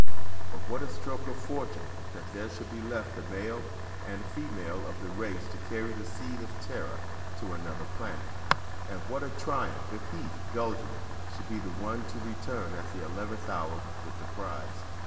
But what a stroke of fortune that there should be left a male and female of the race to carry the seed of Terra to another planet. And what a triumph if he, Guldran, should be the one to return at the eleventh hour with the prize.